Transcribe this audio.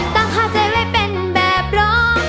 ตั้งค่าใจไว้เป็นแบบรอ